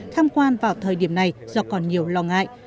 tham quan vào thời điểm này do còn nhiều lo ngại